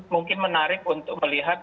mungkin menarik untuk melihat